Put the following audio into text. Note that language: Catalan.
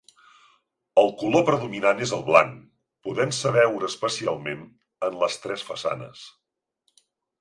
El color predominant és el blanc, podent-se veure especialment en les tres façanes.